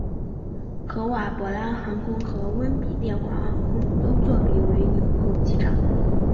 合瓦博拉航空和温比殿华航空都作比为枢纽机场。